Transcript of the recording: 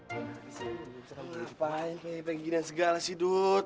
kenapa ini penggina segala sih dut